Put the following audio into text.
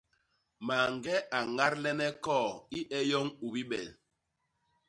Mañge a ñadlene koo i e yoñ u bibel.